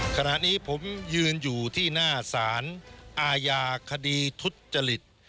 ขณะนี้ผมยืนอยู่ที่หน้าสารอาญาคดีทุจจริต